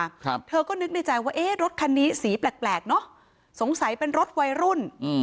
ครับเธอก็นึกในใจว่ารถคันนี้สีแปลกเนาะสงสัยเป็นรถวัยรุ่น